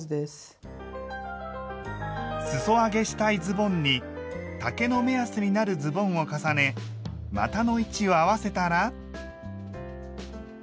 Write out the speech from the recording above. すそ上げしたいズボンに丈の目安になるズボンを重ね股の位置を合わせたら。